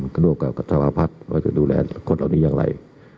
ร่วมกับสมาพัฒน์ว่าจะดูแลคนเหล่านี้อย่างไร